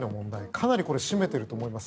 かなりこれが占めていると思います。